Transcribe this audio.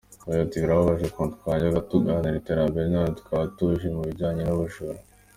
Yagize ati “ Birababaje ukuntu twajyaga tuganira iterambere none tukaba tuje mu bijyanye n’ubujura.